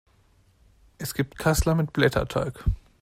Es gibt Kassler mit Blätterteig.